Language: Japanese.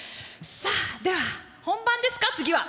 さあでは本番ですか次は。